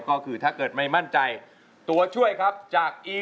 ก็คือถ้าเกิดไม่มั่นใจ